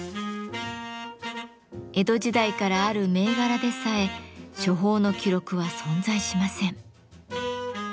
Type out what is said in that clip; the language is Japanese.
江戸時代からある銘柄でさえ処方の記録は存在しません。